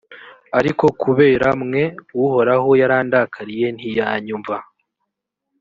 ariko kubera mwe, uhoraho yarandakariye, ntiyanyumva.